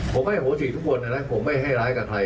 ผมให้โหจิกทุกคนนะผมไม่ให้ร้ายกับใคร